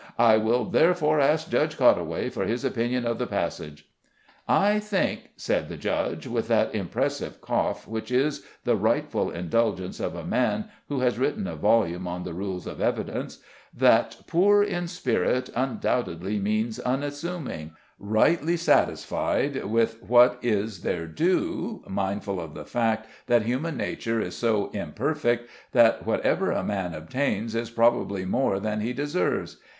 "I will therefore ask Judge Cottaway for his opinion of the passage." "I think," said the judge, with that impressive cough which is the rightful indulgence of a man who has written a volume on the rules of evidence, "that 'poor in spirit' undoubtedly means unassuming, rightly satisfied with what is their due, mindful of the fact that human nature is so imperfect that whatever a man obtains is probably more than he deserves.